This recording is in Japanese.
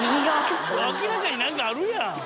明らかに何かあるやん！